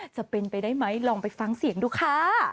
จะเป็นไปได้ไหมลองไปฟังเสียงดูค่ะ